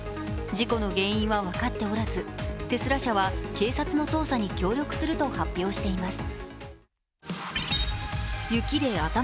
事故の原因は分かっておらず、テスラ社は警察の捜査に協力すると発表しています。